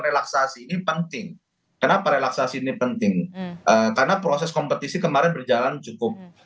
relaksasi ini penting kenapa relaksasi ini penting karena proses kompetisi kemarin berjalan cukup